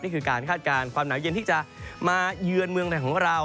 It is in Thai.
การคาดการณ์ความหนาวเย็นที่จะมาเยือนเมืองไทยของเรา